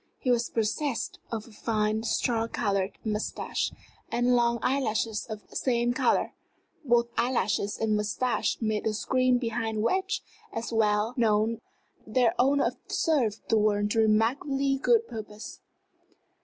He was possessed of a fine, straw colored mustache, and long eyelashes of the same color. Both eyelashes and mustache made a screen behind which, as was well known, their owner observed the world to remarkably good purpose.